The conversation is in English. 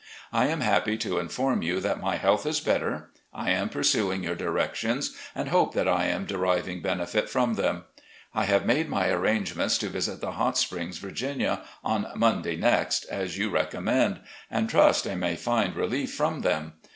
I am happy to inform you that my health is better. I am pursuing your directions and hope that I am deriving benefit from them. I have made my arrangements to visit the Hot Springs, Virginia, on Monday next, as you recommended, and trust I may find relief from them.